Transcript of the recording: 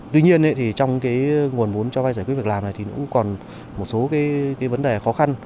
tuy nhiên thì trong cái nguồn vốn cho vay giải quyết việc làm này thì cũng còn một số cái vấn đề khó khăn